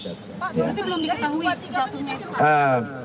pak berarti belum diketahui jatuhnya